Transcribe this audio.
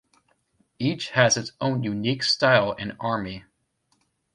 Each has its own unique style and army.